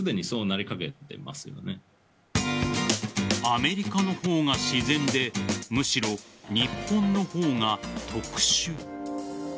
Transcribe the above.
アメリカの方が自然でむしろ日本の方が特殊？